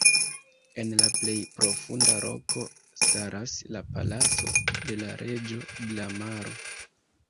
En la plej profunda loko staras la palaco de la reĝo de la maro.